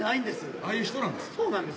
ああいう人なんです。